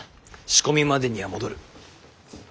仕込みまでには戻る。